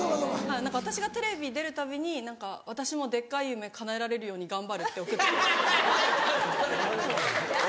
何か私がテレビ出るたびに「私もデッカい夢かなえられるように頑張る」って送って来るんですけど。